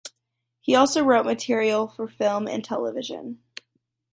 He also wrote material for film and television.